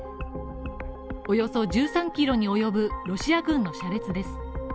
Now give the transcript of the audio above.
およそ１３ｋｍに及ぶロシア軍の車列です。